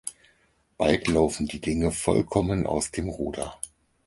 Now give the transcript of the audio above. Bald laufen die Dinge vollkommen aus dem Ruder.